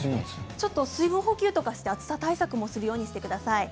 水分補給などして暑さ対策もするようにしてください。